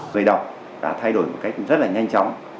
người đọc đã thay đổi một cách rất là nhanh chóng